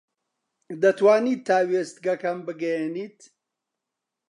دەتوانیت تا وێستگەکەم بگەیەنیت؟